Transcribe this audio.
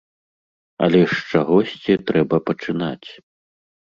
Але з чагосьці трэба пачынаць.